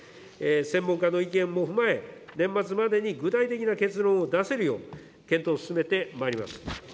専門家の意見も踏まえ、年末までに具体的な結論を出せるよう、検討を進めてまいります。